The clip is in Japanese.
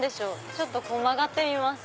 ちょっとここ曲がってみます。